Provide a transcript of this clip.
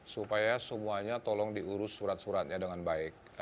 supaya semuanya tolong diurus surat suratnya dengan baik